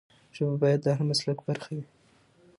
ژبه باید د هر مسلک برخه وي.